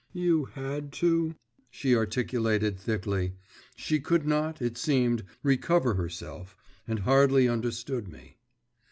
…' 'You had to?' she articulated thickly. She could not, it seemed, recover herself, and hardly understood me.